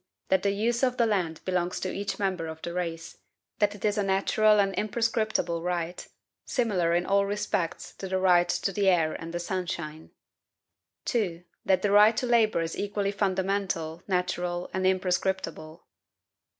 That the use of the land belongs to each member of the race; that it is a natural and imprescriptible right, similar in all respects to the right to the air and the sunshine. 2. That the right to labor is equally fundamental, natural, and imprescriptible."